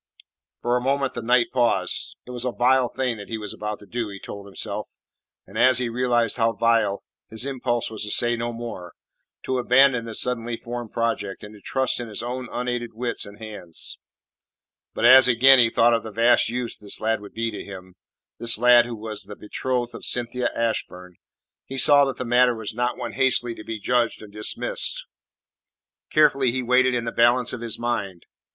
For a moment the knight paused. It was a vile thing that he was about to do, he told himself, and as he realized how vile, his impulse was to say no more; to abandon the suddenly formed project and to trust to his own unaided wits and hands. But as again he thought of the vast use this lad would be to him this lad who was the betrothed of Cynthia Ashburn he saw that the matter was not one hastily to be judged and dismissed. Carefully he weighed it in the balance of his mind.